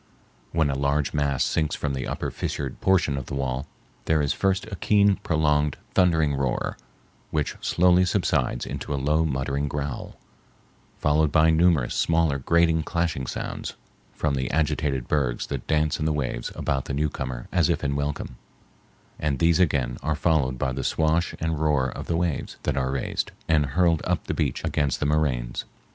When a large mass sinks from the upper fissured portion of the wall, there is first a keen, prolonged, thundering roar, which slowly subsides into a low muttering growl, followed by numerous smaller grating clashing sounds from the agitated bergs that dance in the waves about the newcomer as if in welcome; and these again are followed by the swash and roar of the waves that are raised and hurled up the beach against the moraines.